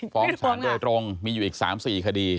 ฟ้องสารโดยตรงมีอยู่อีก๓๔คดี